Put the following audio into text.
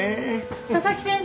佐々木先生！